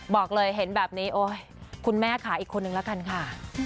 บอกเลยเห็นแบบนี้คุณแม่ขาอีกคนนึงแล้วกันค่ะ